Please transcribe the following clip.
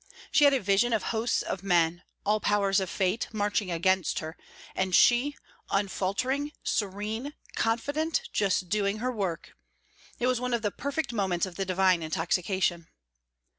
She had a vision of hosts of men, all powers of fate, marching against her, and she, unfaltering, serene, confident, just doing her work! It was one of the perfect moments of the divine intoxication.